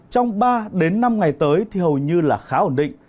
trong ba năm ngày tới thì hầu như là khá ổn định